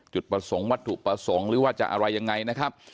จุดประสงค์วัตถุประสงค์หรือว่าจะอะไรยังไงนะครับ